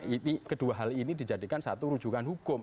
ini kedua hal ini dijadikan satu rujukan hukum